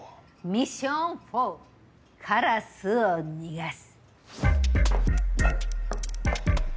ミッション４カラスを逃がす。